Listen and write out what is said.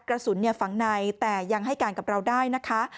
กระสุนฝังในแต่ยังให้การกับเราได้นะคะ